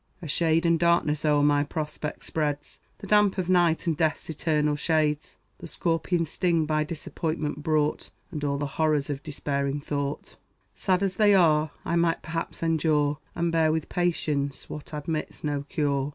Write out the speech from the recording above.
A shade and darkness o'er my prospect spreads, The damps of night and death's eternal shades. The scorpion's sting, by disappointment brought, And all the horrors of despairing thought, Sad as they are, I might, perhaps, endure, And bear with patience what admits no cure.